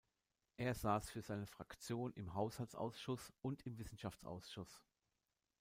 Er saß für seine Fraktion im Haushaltsausschuss und im Wissenschaftsausschuss.